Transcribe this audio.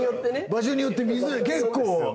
場所によって見づらい。